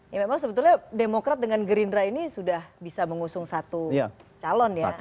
ya memang sebetulnya demokrat dengan gerindra ini sudah bisa mengusung satu calon ya